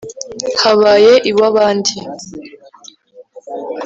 habaye iw’abandi